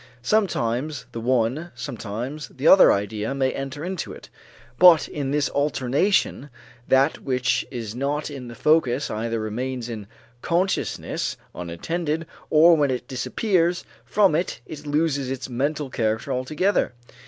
Sometimes the one, sometimes the other idea may enter into it, but in this alternation that which is not in the focus either remains in consciousness unattended or when it disappears from it it loses its mental character altogether.